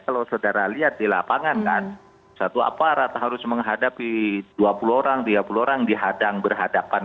kalau saudara lihat di lapangan kan satu aparat harus menghadapi dua puluh orang tiga puluh orang dihadang berhadapan